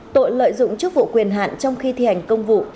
tội lợi dụng chức vụ quyền hạn trong khi thi hành công vụ